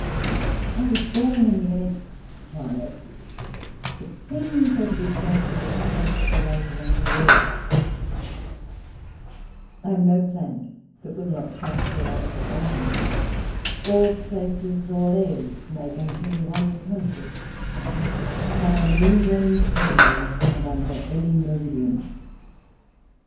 I was born in the eighth Climate, but seem for to be framed and constellated unto all: I am no Plant that will not prosper out of a Garden: All places, all airs make unto me one Countrey; I am in England, every where, and under any Meridian.